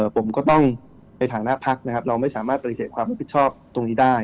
ผมก็ต้องในฐานะพักนะครับเราไม่สามารถปฏิเสธความรับผิดชอบตรงนี้ได้